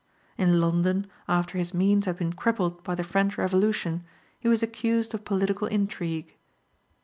In London, after his means had been crippled by the French Revolution, he was accused of political intrigue.